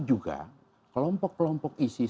juga kelompok kelompok isis